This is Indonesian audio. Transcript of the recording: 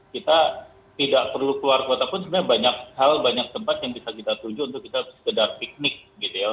kita tidak perlu keluar kota pun sebenarnya banyak hal banyak tempat yang bisa kita tuju untuk kita sekedar piknik gitu ya